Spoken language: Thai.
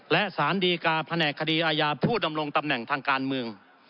และสารดีกาแผนกคดีอาญาผู้ดำรงตำแหน่งทางการเมือง